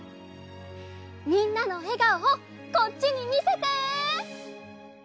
みんなのえがおをこっちにみせて！